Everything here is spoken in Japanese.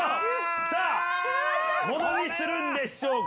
さあ、ものにするんでしょうか。